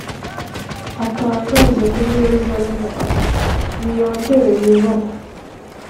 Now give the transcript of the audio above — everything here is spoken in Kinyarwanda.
atangaze kuri yeruzalemu, ati «niyongere yubakwe»,